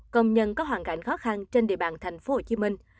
công nhân có hoàn cảnh khó khăn trên địa bàn thành phố hồ chí minh